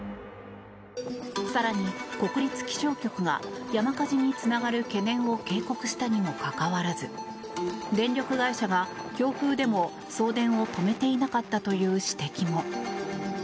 更に、国立気象局が山火事につながる懸念を警告したにもかかわらず電力会社が強風でも送電を止めていなかったという指摘も。